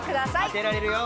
当てられるよ。